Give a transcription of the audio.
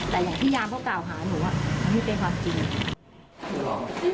แต่อย่างที่ยามเขากล่าวหาหนูมันไม่เป็นความจริง